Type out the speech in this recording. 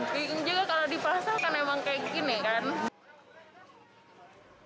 diinjil kalau dipasang kan emang kayak gini kan